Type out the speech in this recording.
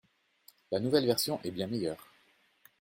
La nouvelle version est bien meilleure.